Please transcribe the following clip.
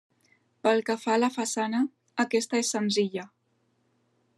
Pel que fa a la façana aquesta és senzilla.